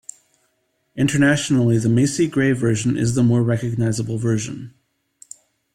Internationally, the Macy Gray version is the more recognizable version.